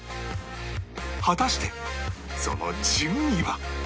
果たしてその順位は？